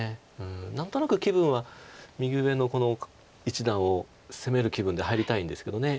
何となく気分は右上のこの一団を攻める気分で入りたいんですけど。